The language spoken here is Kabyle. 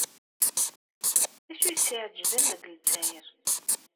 D acu ay tt-iɛejben deg Lezzayer?